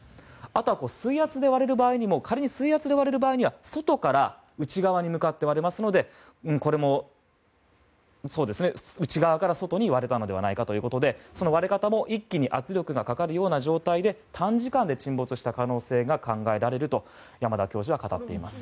あとは水圧で割れる場合にも仮に水圧で割れる場合は、外から内側に向かって割れますのでこれも内側から外に割れたのではないかということでその割れ方も一気に圧力がかかるような状態で短時間で沈没した可能性も考えられると山田教授は語っています。